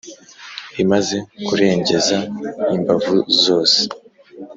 Imaze kurengeza imbavu zose,